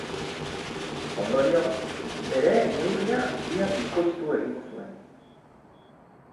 Ondorioz, bere neurria ia bikoiztu egingo zuen.